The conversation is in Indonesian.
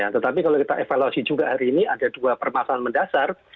tetapi kalau kita evaluasi juga hari ini ada dua permasalahan mendasar